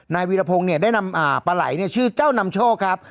วีรพงศ์ได้นำปลาไหล่ชื่อเจ้านำโชคครับ